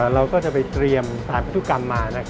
เราก็จะไปเตรียมสถานพันธุกรรมมา